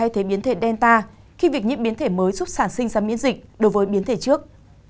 đặc biệt là biến thể delta khi việc nhiễm biến thể mới giúp sản sinh ra miễn dịch đối với biến thể trước